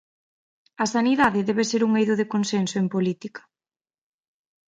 A sanidade debe ser un eido de consenso en política.